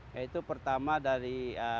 yaitu pertama dari